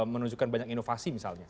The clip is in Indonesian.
menunjukkan banyak inovasi misalnya